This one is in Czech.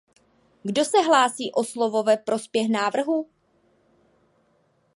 Kdo se hlásí o slovo ve prospěch návrhu?